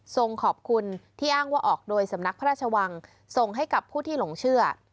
ส่งขอบคุณที่อ้างว่าออกโดยสำนักพระราชวังส่งให้กับผู้ที่หลงเชื่อ